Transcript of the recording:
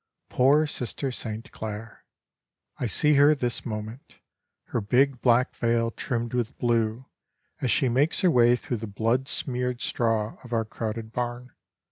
Poor Sister St. Claire! I see her this moment, her big black veil trimmed with blue, as she makes her way through the blood smeared straw of our crowded barn.